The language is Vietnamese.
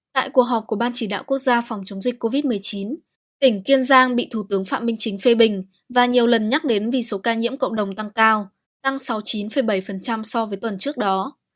tại cuộc họp của ban chỉ đạo quốc gia phòng chống dịch covid một mươi chín tỉnh kiên giang bị thủ tướng phạm minh chính phê bình và nhiều lần nhắc đến vì số ca nhiễm cộng đồng tăng cao tăng sáu mươi chín bảy so với tuần trước đó